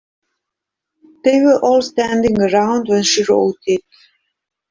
They were all standing around when she wrote it.